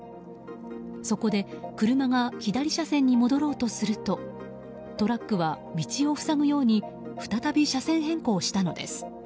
そこで、車が左車線に戻ろうとするとトラックは道を塞ぐように再び車線変更したのです。